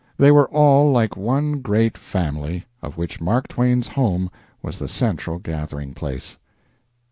They were all like one great family, of which Mark Twain's home was the central gathering place.